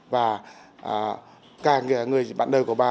và cả người bạn đời của bà